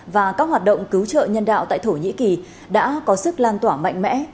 và các hoạt động cứu trợ nhân đạo tại thổ nhĩ kỳ đã có sức lan tỏa mạnh mẽ